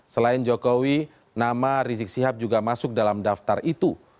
selain jokowi nama rizik sihab juga masuk dalam daftar itu